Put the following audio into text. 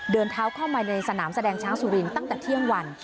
เดินเท้าเข้ามาในสนามแสดงช้างสุรินตั้งแต่เที่ยงวัน